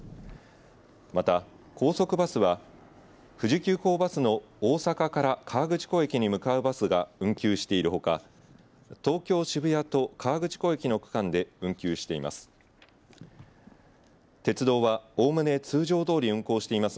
また、高速バスは富士急行バスの大阪から河口湖駅に向かうバスが運休しているほか東京、渋谷と河口湖駅の区間で運休しています。